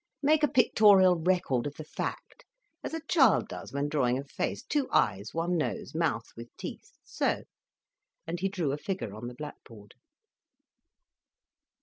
Make a pictorial record of the fact, as a child does when drawing a face—two eyes, one nose, mouth with teeth—so—" And he drew a figure on the blackboard.